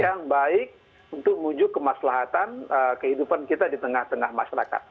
yang baik untuk menuju kemaslahatan kehidupan kita di tengah tengah masyarakat